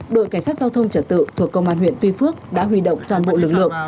đội cảnh sát giao thông trật tự thuộc công an huyện tuy phước đã huy động toàn bộ lực lượng